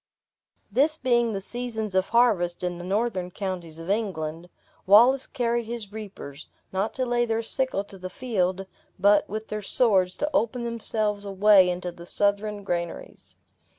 This being the seasons of harvest in the northern counties of England, Wallace carried his reapers, not to lay their sickle to the field, but, with their swords, to open themselves a way into the Southron granaries.